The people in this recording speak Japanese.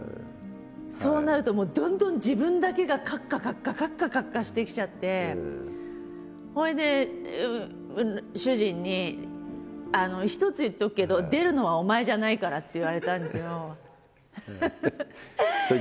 そうなるとどんどん自分だけがカッカカッカカッカカッカしてきちゃってそれで主人に「一つ言っとくけど出るのはお前じゃないから」って言われたんですよ。